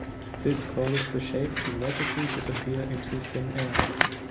This causes the shape to magically disappear into thin air.